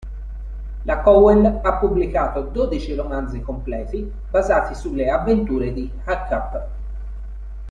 La Cowell ha pubblicato dodici romanzi completi, basati sulle avventure di Hiccup.